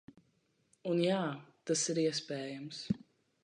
Un, jā, tas ir iespējams.